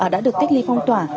đã được cách ly phong tỏa